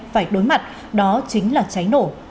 phải đối mặt đó chính là cháy nổ